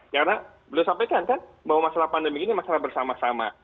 karena beliau sampaikan kan bahwa masalah pandemi ini masalah bersama sama